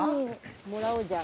もらおうじゃあ。